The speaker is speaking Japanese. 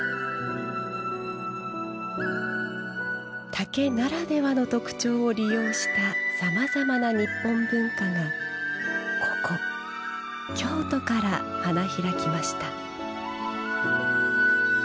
竹ならではの特徴を利用したさまざまな日本文化がここ京都から花開きました。